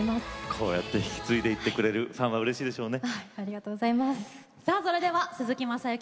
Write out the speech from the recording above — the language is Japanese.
こうやって引き継いでいってくれるうれしいでしょうね。